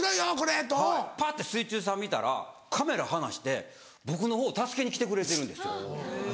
パッて水中さん見たらカメラ離して僕のほう助けに来てくれてるんですよ。